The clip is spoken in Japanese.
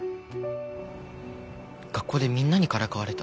学校でみんなにからかわれた。